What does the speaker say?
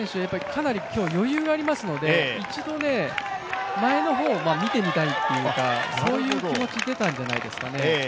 かなり今日、余裕がありますので一度、前の方を見てみたいというかそういう気持ち出たんじゃないですかね。